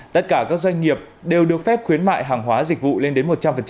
tất cả các doanh nghiệp đều được phép khuyến mại hàng hóa dịch vụ lên đến một trăm linh